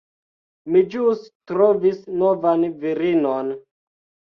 Mi ĵus trovis novan virinon.